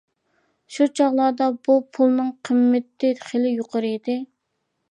شۇ چاغلاردا بۇ پۇلنىڭ قىممىتى خېلى يۇقىرى ئىدى.